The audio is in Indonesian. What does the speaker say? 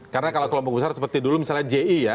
karena kalau kelompok besar seperti dulu misalnya ji ya